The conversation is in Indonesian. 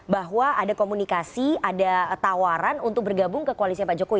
bahwa ada komunikasi ada tawaran untuk bergabung ke koalisnya pak jokowi